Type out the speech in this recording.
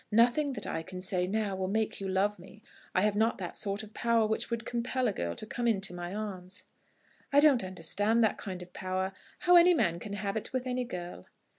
Nothing that I can say now will make you love me. I have not that sort of power which would compel a girl to come into my arms." "I don't understand that kind of power, how any man can have it with any girl."